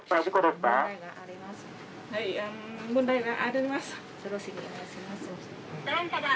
はい、問題があります。